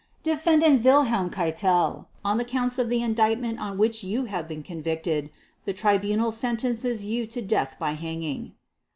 "Defendant Wilhelm Keitel, on the Counts of the Indictment on which you have been convicted, the Tribunal sentences you to death by hanging.